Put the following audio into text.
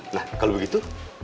nah kalau begitu